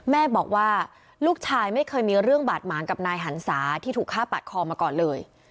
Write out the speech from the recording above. แม่บอกว่าลูกชายไม่เคยมีเรื่องบาดหมางกับนายหันศาที่ถูกฆ่าปาดคอมาก่อนเลย